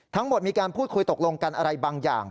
ทั้งหมดมีการพูดคุยตกลงกันอะไรบางอย่าง